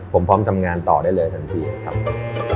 ผมพร้อมทำงานต่อได้เลยทันทีครับ